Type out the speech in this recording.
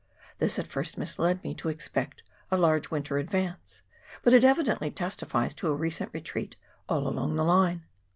This at first misled me to expect a large winter advance, but it evidently testifies to a recent retreat " all along the line."